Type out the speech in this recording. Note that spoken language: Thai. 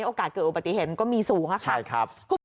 โอกาสเกิดอุบัติเหตุก็มีสูงค่ะ